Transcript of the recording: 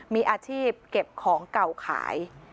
มีอาชีพเก็บของเก่าขาย